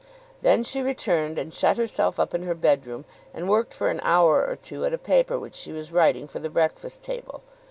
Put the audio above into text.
Then she returned, and shut herself up in her bedroom, and worked for an hour or two at a paper which she was writing for the "Breakfast Table."